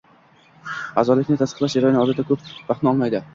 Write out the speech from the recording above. A’zolikni tasdiqlash jarayoni odatda ko’p vaqtni olmaydi